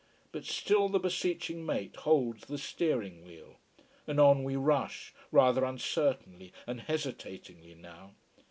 But still the beseeching mate holds the steering wheel. And on we rush, rather uncertainly and hesitatingly now.